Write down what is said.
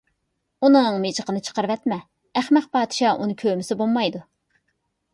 ئۇنىڭ مىجىقىنى چىقىرىۋەتمە، ئەخمەق پادىشاھ ئۇنى كۆرمىسە بولمايدۇ.